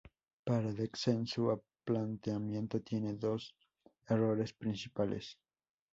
Para Derksen, su planteamiento tiene dos errores principales.